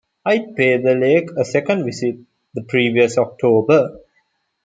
I'd paid the lake a second visit the previous October...